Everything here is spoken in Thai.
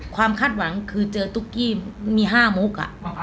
คาดหวังคือเจอตุ๊กกี้มี๕มุก